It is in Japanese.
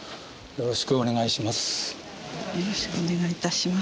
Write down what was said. よろしくお願いします。